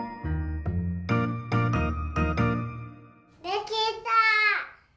できた！